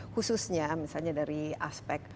khususnya misalnya dari aspek